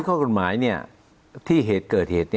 ข้อกฎหมายที่เหตุเกิดเหตุ